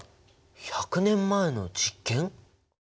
１００年前の実験！？